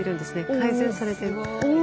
改善されてる。